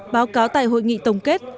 báo cáo tại hội nghị tổng kết